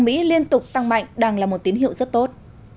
mỹ liên tục tăng mạnh đang là một tín hiệu rất tốt